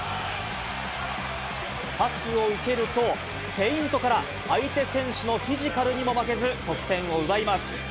パスを受けると、フェイントから、相手選手のフィジカルにも負けず、得点を奪います。